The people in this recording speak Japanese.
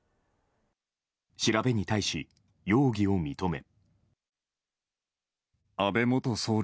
調べに対し、容疑を認め。